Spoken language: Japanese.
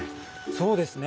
そうですね。